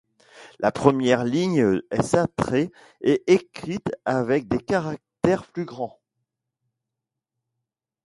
La première ligne est centrée et écrite avec des caractères plus grands.